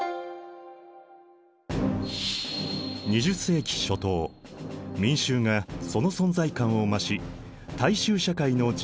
２０世紀初頭民衆がその存在感を増し大衆社会の時代を迎えた。